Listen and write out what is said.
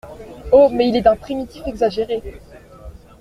Oh ! mais il est d’un primitif exagéré !…